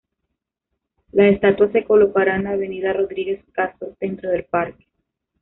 La estatua se colocará en la Avenida Rodríguez Caso, dentro del parque.